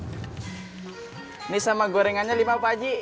ini sama gorengannya limau pak haji